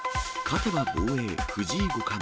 勝てば防衛、藤井五冠。